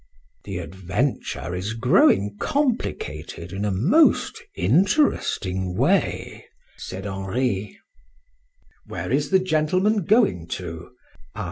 "The adventure is growing complicated in a most interesting way," said Henri.